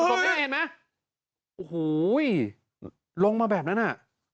โอ้โฮลงมาแบบนั้นอ่ะ